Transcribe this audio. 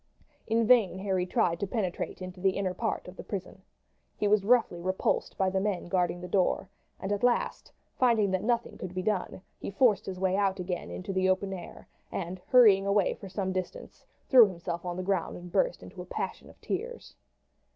In vain Harry tried to penetrate into the inner part of the prison. He was roughly repulsed by the men guarding the door; and at last, finding that nothing could be done, he forced his way out again into the open air, and hurrying away for some distance, threw himself on the ground and burst into a passion of tears.